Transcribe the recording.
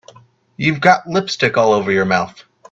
You've got lipstick all over your mouth.